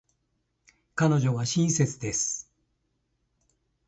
彼女は親切です。